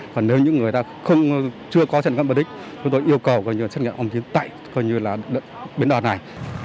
còn nếu những người ta chưa có xét nghiệm bất đích chúng tôi yêu cầu xét nghiệm ông chiến tại bến đò này